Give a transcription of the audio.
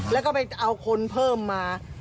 แล้วก็ไปเอาคนเพิ่มมา